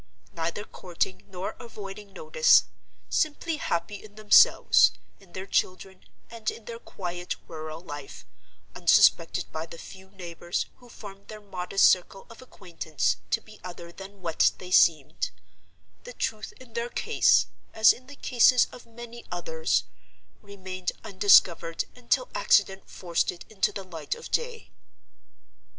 Neither courting nor avoiding notice; simply happy in themselves, in their children, and in their quiet rural life; unsuspected by the few neighbors who formed their modest circle of acquaintance to be other than what they seemed—the truth in their case, as in the cases of many others, remained undiscovered until accident forced it into the light of day.